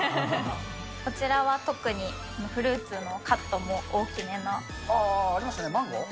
こちらは特に、フルーツのカありましたね、マンゴー。